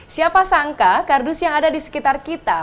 siapa sangka kardus yang ada di sekitar kita